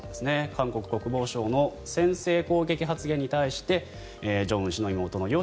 韓国国防相の先制攻撃発言に対して正恩氏の妹の与